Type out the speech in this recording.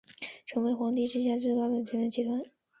成为皇帝之下的最高统治集团。